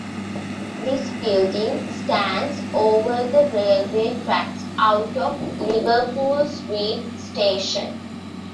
This building stands over the railway tracks out of Liverpool Street station.